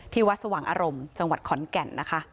วัดสว่างอารมณ์จังหวัดขอนแก่นนะคะ